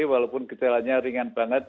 walaupun kejelangannya ringan banget